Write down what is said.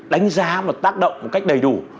đánh giá và tác động một cách đầy đủ